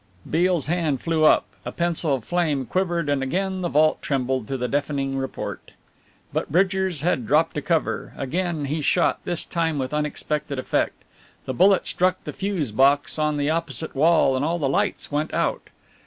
Beale's hand flew up, a pencil of flame quivered and again the vault trembled to the deafening report. But Bridgers had dropped to cover. Again he shot, this time with unexpected effect. The bullet struck the fuse box on the opposite wall and all the lights went out.